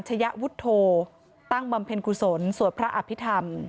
ยวุฒโธตั้งบำเพ็ญกุศลสวดพระอภิษฐรรม